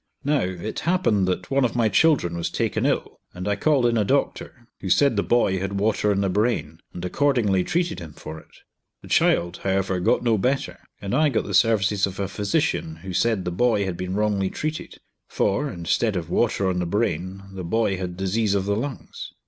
Now, it happened that one of my children was taken ill, and I called in a doctor, who said the boy had water on the brain, and accordingly treated him for it. The child, however, got no better, and I got the services of a physician who said the boy had been wrongly treated, for, instead of water on the brain the boy had disease of the lungs.